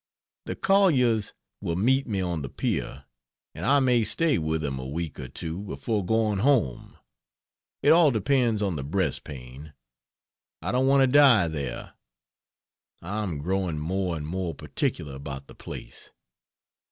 The Colliers will meet me on the pier and I may stay with them a week or two before going home. It all depends on the breast pain I don't want to die there. I am growing more and more particular about the place.